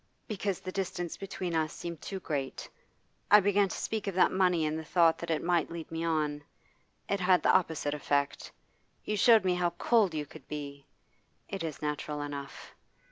'Because the distance between us seemed too great. I began to speak of that money in the thought that it might lead me on. It had the opposite effect. You showed me how cold you could be. It is natural enough.